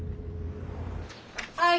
はい。